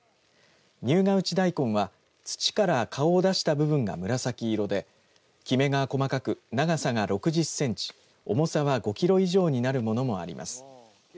入河内大根は土から顔を出した部分が紫色できめが細かく長さが６０センチ重さは５キロ以上になるものもあります。